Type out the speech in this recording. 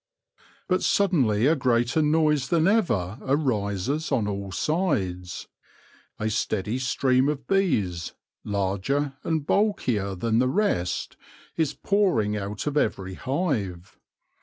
But suddenly a greater noise than ever arises on all sides : a steady stream of bees, larger and bulkier than the rest, is pouring out of every hive.